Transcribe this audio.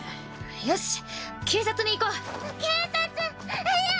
よし警察に行こ警察⁉嫌！